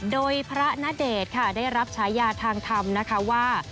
โดยพระณเดชน์ได้รับฉายาทางธรรมว่า